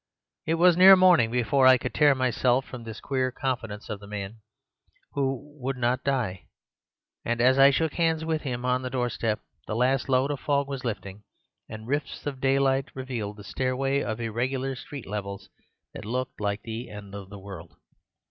It was near morning before I could tear myself from this queer confidence of the Man Who Would Not Die, and as I shook hands with him on the doorstep the last load of fog was lifting, and rifts of daylight revealed the stairway of irregular street levels that looked like the end of the world.